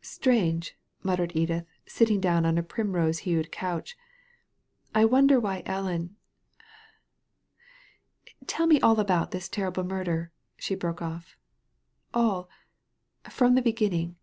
''Strange!" muttered Edith, sitting down on a primrose hued couch. "I wonder why Ellen Tell me all about this terrible murder," she broke off; " all— from the beginning."